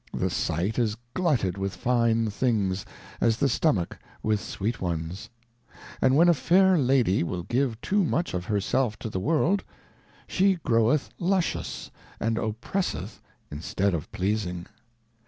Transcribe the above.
The Sight is glutted with fine things, as the Stomach with sweet ones ; and when a fair Lady will give too much of her self to the World, she groweth luscious, and oppresseth instead of pleasing.